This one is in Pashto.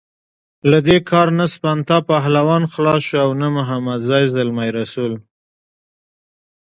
له دې کار نه سپنتا پهلوان خلاص شو او نه محمدزی زلمی رسول.